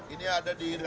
ini ada di